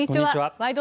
「ワイド！